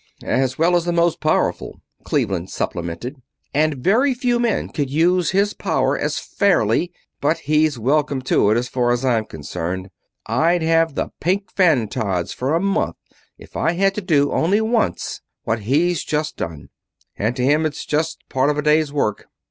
"As well as the most powerful," Cleveland supplemented. "And very few men could use his power as fairly but he's welcome to it, as far as I'm concerned. I'd have the pink fantods for a month if I had to do only once what he's just done and to him it's just part of a day's work."